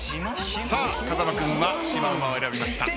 さあ風間君はシマウマを選びました。